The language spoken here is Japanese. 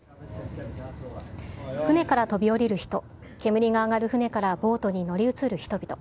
船から飛び降りる人、煙が上がる船からボートに乗り移る人々。